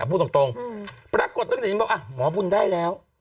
พูดตรงปรากฏเรื่องเดือนเย็นนี้บอกว่าอ่ะหมอบุญได้แล้ว